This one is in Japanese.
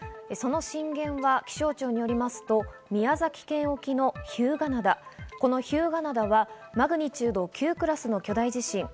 その震源は気象庁によりますと、宮崎県沖の日向灘、この日向灘はマグニチュード９クラスの巨大地震。